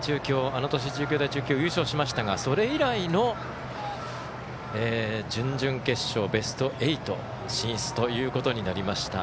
あの年、中京大中京が優勝しましたがそれ以来の準々決勝ベスト８進出ということになりました。